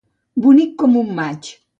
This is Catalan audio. Bonic com un maig.